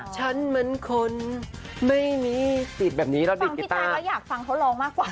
กนิกหน่าฟังพี่เต๋าก็อยากฟังเขานอนมากกว่า